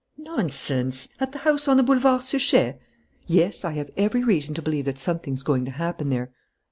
"Nonsense! At the house on the Boulevard Suchet?" "Yes, I have every reason to believe that something's going to happen there."